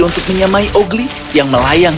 untuk menyamai ogli yang melayang